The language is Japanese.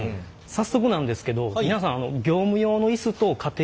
早速なんですけど皆さんえっ？